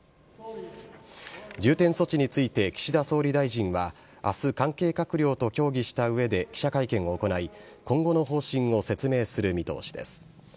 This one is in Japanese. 重点措置について岸田総理大臣は、あす、関係閣僚と協議したうえで記者会見を行い、今後の方針を説明する見通しです。